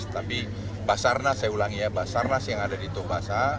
tapi basarnas saya ulangi ya basarnas yang ada di tobasa